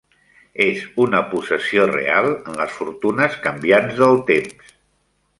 És una possessió real en les fortunes canviants del temps.